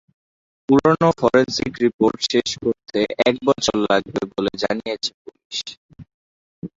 পুরো forensic report শেষ করতে এক বছর লাগবে বলে জানিয়েছে পুলিশ।